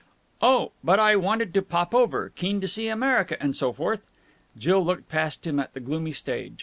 "Oh, but I wanted to pop over. Keen to see America and so forth." Jill looked past him at the gloomy stage.